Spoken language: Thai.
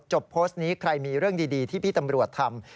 โพสต์นี้ใครมีเรื่องดีที่พี่ตำรวจทำ